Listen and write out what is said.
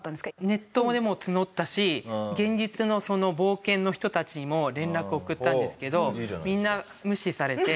ネットでも募ったし現実の冒険の人たちにも連絡送ったんですけどみんな無視されて。